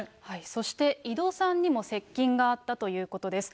そして井戸さんにも接近があったということです。